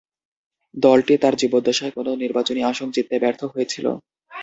দলটি তার জীবদ্দশায় কোনও নির্বাচনী আসন জিততে ব্যর্থ হয়েছিল।